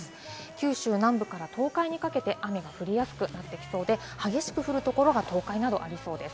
九州南部から東海にかけて雨が降りやすくなってきそうで激しく降るところが東海などでありそうです。